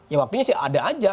ya waktunya sih ada aja